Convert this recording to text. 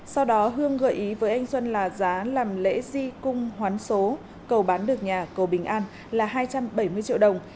sau đó hương gợi ý với anh xuân là giá làm lễ di cung hoán số cầu bán được nhà cầu bình an là hai trăm bảy mươi triệu đồng